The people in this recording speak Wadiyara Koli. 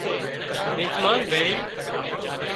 مزمان ڀيۯي